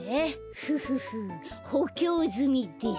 フフフほきょうずみです。